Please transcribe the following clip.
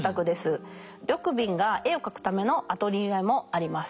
緑敏が絵を描くためのアトリエもあります。